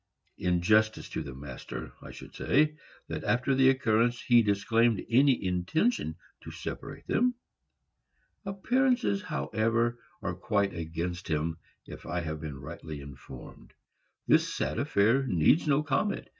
In justice to the master, I should say, that after the occurrence he disclaimed any intention to separate them. Appearances, however, are quite against him, if I have been rightly informed. This sad affair needs no comment.